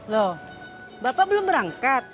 lo bapak belum berangkat